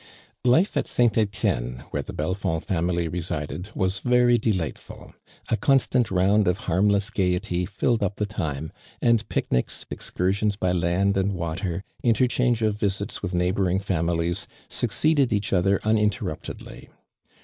Life at 8t. Etienne, where the Belfmd fa mily resided, was very delightful. A con stant round of harmless gaiety fflled up the time, and picnics, excursions by land and water, interchange of visits with neighbor ing families, succeeded each other uninter ruptedly.